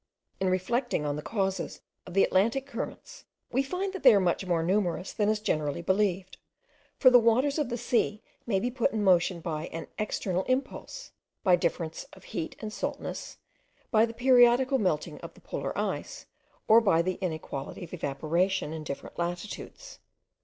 In reflecting on the causes of the Atlantic currents, we find that they are much more numerous than is generally believed; for the waters of the sea may be put in motion by an external impulse, by difference of heat and saltness, by the periodical melting of the polar ice, or by the inequality of evaporation, in different latitudes.